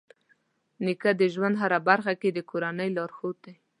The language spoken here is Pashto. نیکه د ژوند په هره برخه کې د کورنۍ لارښود دی.